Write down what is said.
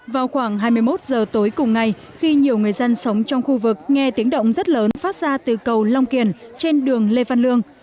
vào khoảng hai mươi một giờ tối cùng ngày khi nhiều người dân sống trong khu vực nghe tiếng động rất lớn phát ra từ cầu long kiền trên đường lê văn lương